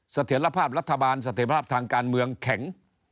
เสถียรภาพรัฐบาลเสถียรภาพทางการเมืองแข็ง